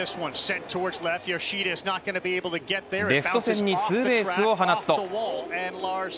レフト線にツーベースを放つと。